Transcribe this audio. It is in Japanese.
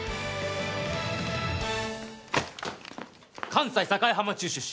関西境浜中出身